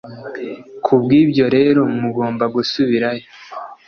Ku bw ibyo rero mugomba gusubirayo